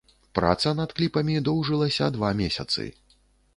Праца над кліпамі доўжылася два месяцы.